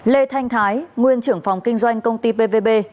lê thanh thái nguyên trưởng phòng kinh doanh công ty pvb